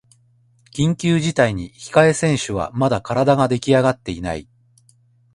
緊急事態に控え選手はまだ体ができあがってない